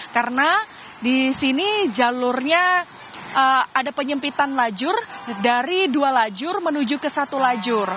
karena di sini jalurnya ada penyempitan lajur dari dua lajur menuju ke satu lajur